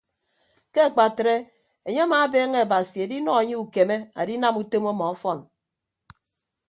Ke akpatre enye amaabeeñe abasi edinọ anye ukeme adinam utom ọmọ ọfọn.